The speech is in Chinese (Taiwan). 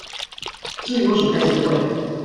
至於為什麼開這個會